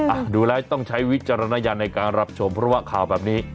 ดูแล้วต้องใช้วิจารณญาณในการรับชมเพราะว่าข่าวแบบนี้